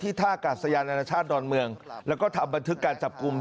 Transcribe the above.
ท่ากาศยานานาชาติดอนเมืองแล้วก็ทำบันทึกการจับกลุ่ม